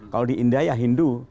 kalau di indah ya hindu